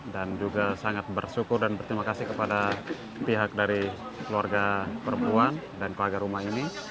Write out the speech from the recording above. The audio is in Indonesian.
dan juga sangat bersyukur dan berterima kasih kepada pihak dari keluarga perempuan dan keluarga rumah ini